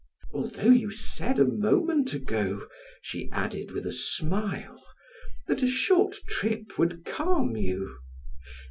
Although you said a moment ago," she added with a smile, "that a short trip would calm you.